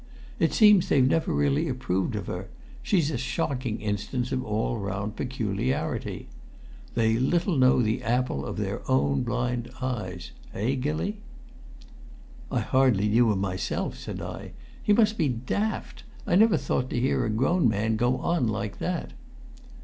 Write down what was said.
It seems they've never really approved of her; she's a shocking instance of all round peculiarity. They little know the apple of their own blind eyes eh, Gilly?" "I hardly knew him myself," said I. "He must be daft! I never thought to hear a grown man go on like that."